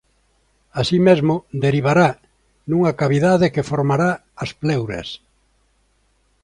Así mesmo derivará nunha cavidade que formará as pleuras.